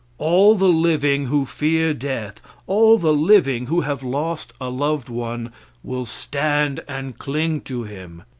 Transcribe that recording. All the living who fear death; all the living who have lost a loved one will stand and cling to him.